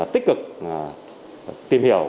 tích cực tìm hiểu